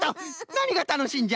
なにがたのしいんじゃ？